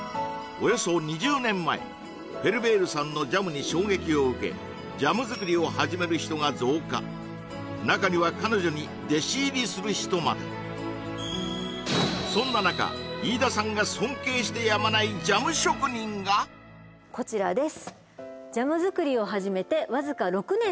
およそ２０年前フェルベールさんのジャムに衝撃を受けジャム作りを始める人が増加なかには彼女に弟子入りする人までそんな中飯田さんが尊敬してやまないジャム職人がこちらです